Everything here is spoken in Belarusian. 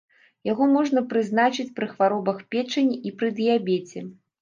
Яго можна прызначаць пры хваробах печані і пры дыябеце.